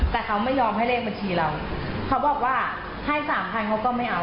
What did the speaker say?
แต่เขาไม่ยอมให้เลขบัญชีเราเขาบอกว่าให้สามพันเขาก็ไม่เอา